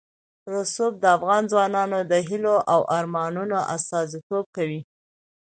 رسوب د افغان ځوانانو د هیلو او ارمانونو استازیتوب کوي.